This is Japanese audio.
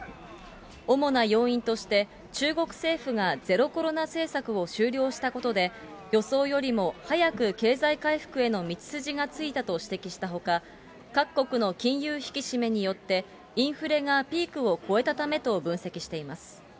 主な要因として、中国政府がゼロコロナ政策を終了したことで、予想よりも早く経済回復への道筋がついたと指摘したほか、各国の金融引き締めによって、インフレがピークを越えたためと分析しています。